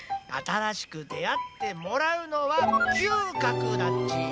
あたらしく出会ってもらうのは嗅覚だっち。